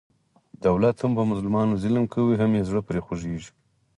دولت هم په مظلومانو ظلم کوي، هم یې زړه پرې خوګېږي.